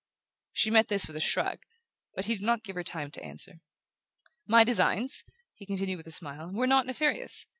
She met this with a shrug, but he did not give her time to answer. "My designs," he continued with a smile, "were not nefarious.